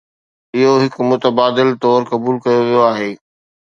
اهو هڪ متبادل طور قبول ڪيو ويو آهي.